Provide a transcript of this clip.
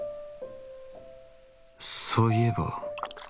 そういえば。